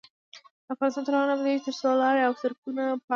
افغانستان تر هغو نه ابادیږي، ترڅو لارې او سرکونه پاخه نشي.